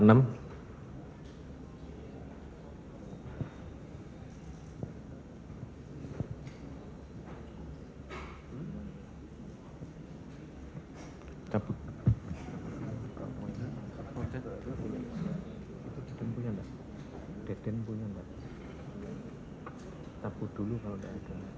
ya tapi kita tabur dulu kalau tidak ada